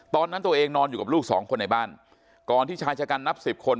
ตอนนั้นตัวเองนอนอยู่กับลูกสองคนในบ้านก่อนที่ชายชะกันนับสิบคน